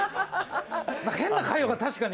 変な回路が確かに。